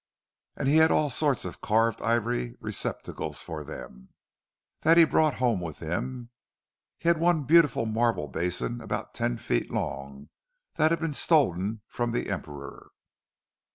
And he had all sorts of carved ivory receptacles for them, that he brought home with him—he had one beautiful marble basin about ten feet long, that had been stolen from the Emperor."